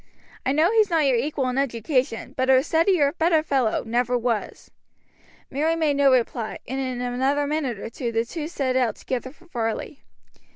I know he's not your equal in education, but a steadier, better fellow, never was." Mary made no reply, and in another minute the two set out together for Varley.